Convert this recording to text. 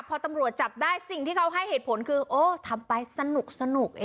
พอตำรวจจับได้สิ่งที่เขาให้เหตุผลคือโอ้ทำไปสนุก